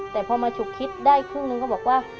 แต่พอมาฉุกคิดได้ครึ่งนึงก็บอกว่า